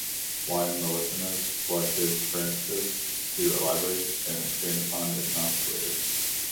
Why Melissenos selected Sphrantzes to elaborate and expand upon is not clear.